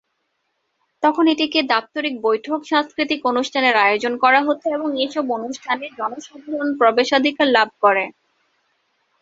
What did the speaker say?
তখন এটিকে দাপ্তরিক বৈঠক, সাংস্কৃতিক অনুষ্ঠানের আয়োজন করা হতো এবং এসব অনুষ্ঠানে জনসাধারণ প্রবেশাধিকার লাভ করে।